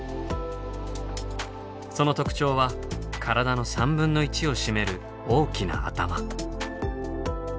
その特徴は体の３分の１を占める大きな頭。